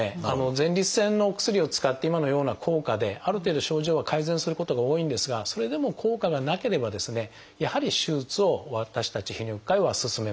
前立腺のお薬を使って今のような効果である程度症状が改善することが多いんですがそれでも効果がなければですねやはり手術を私たち泌尿器科医は勧めます。